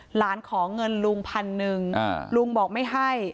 ขอเงินลุงพันหนึ่งลุงบอกไม่ให้